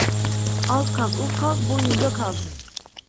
Az kaz, uz kaz, boyunca kaz.